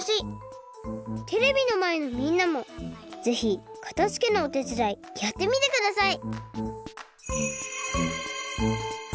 テレビのまえのみんなもぜひかたづけのおてつだいやってみてください！